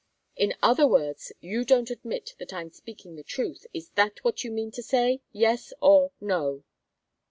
"In other words, you don't admit that I'm speaking the truth? Is that what you mean to say? Yes, or no."